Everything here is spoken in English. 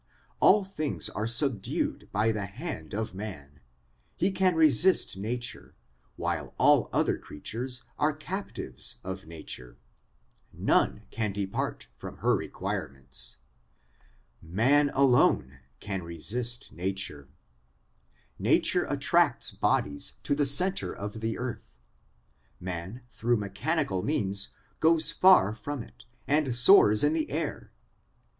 All things are subdued by the hand of man ; he can resist nature, while all other creatures are captives of nature, none can depart from her requirements. Man alone 220 SOME ANSWERED QUESTIONS can resist nature. Nature attracts bodies to the centre of the earth ; man through mechanical means goes far from it, and soars in the air.